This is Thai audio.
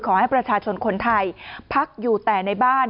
ขอให้ประชาชนคนไทยพักอยู่แต่ในบ้าน